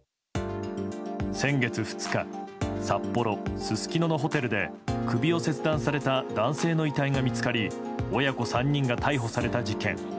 先月２日札幌・すすきののホテルで首を切断された男性の遺体が見つかり親子３人が逮捕された事件。